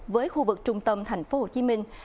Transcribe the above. với khu vực trung tâm thành phố hồ chí minh